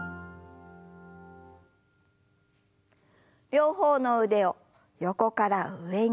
両方の腕を横から上に。